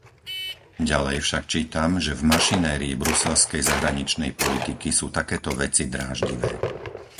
Ďalej však čítam, že v mašinérii bruselskej zahraničnej politiky sú takéto veci dráždivé.